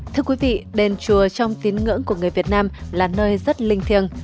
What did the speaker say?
thưa quý vị đền chùa trong tín ngưỡng của người việt nam là nơi rất linh thiêng